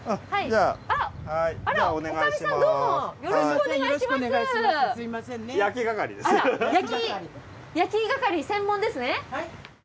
あら焼き係専門ですね。